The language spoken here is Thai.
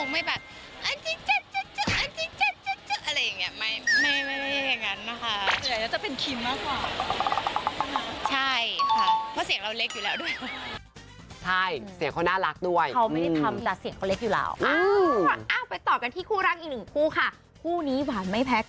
มิ้งก็จะแบบแค่อ้อนเฉยแต่ว่าคงไม่แบบ